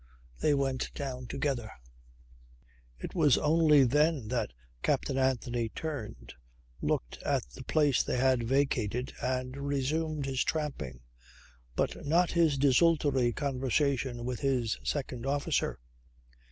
They went down together. It was only then that Captain Anthony turned, looked at the place they had vacated and resumed his tramping, but not his desultory conversation with his second officer.